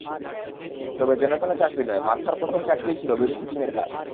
তবে যেনতেন চাকরি নয়, মার্থার প্রথম চাকরিই ছিল বেবি সিটিংয়ের কাজ।